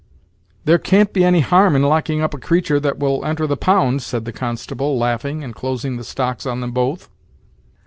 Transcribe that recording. "There can't be any harm in locking up a creatur' that will enter the pound," said the constable, laughing, and closing the stocks on them both.